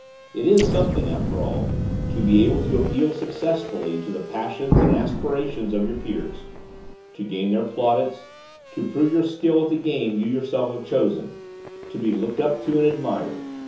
It is something, after all, to be able to appeal successfully to the passions and aspirations of your peers; to gain their plaudits; to prove your skill at the game you yourself have chosen; to be looked up to and admired.